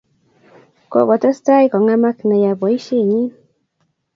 Kokotestai ko ng'emak nea poisyennyi.